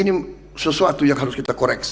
ini sesuatu yang harus kita koreksi